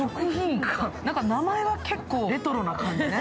名前は結構レトロな感じね。